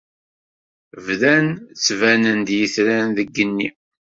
Bdan ttbanen-d yitran deg yigenni.